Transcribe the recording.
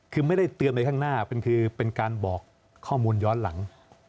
คือไม่ได้เตือนไปข้างหน้าคือเป็นการบอกข้อมูลย้อนหลัง